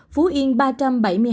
phú yên ba trăm bảy mươi hai ca